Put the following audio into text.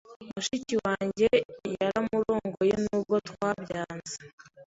Mushiki wanjye yaramurongoye nubwo twabyanze.